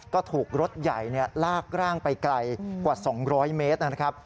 ก็ถูกรถใหญ่ลากร่างไปไกลกว่า๒๐๐เมตรนะครับ